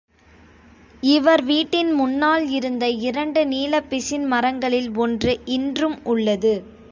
இவர் வீட்டின் முன்னால் இருந்த இரண்டு நீலப் பிசின் மரங்களில் ஒன்று இன்றும் உள்ளது.